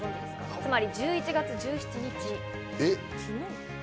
つまり１１月１７日。